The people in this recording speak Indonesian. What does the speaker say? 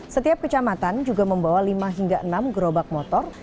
setiap kecamatan juga membawa lima hingga enam gerobak motor